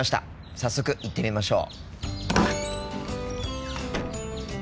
早速行ってみましょう。